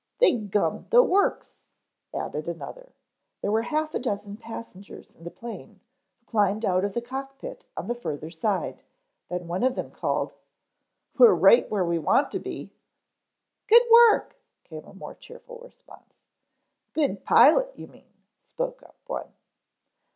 "They gummed the works," added another. There were half a dozen passengers in the plane who climbed out of the cockpit on the further side, then one of them called: "We're right where we want to be." "Good work," came a more cheerful response. "Good pilot you mean," spoke up one.